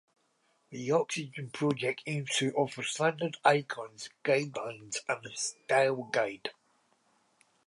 The Oxygen Project aims to offer standard icons, guidelines and a style guide.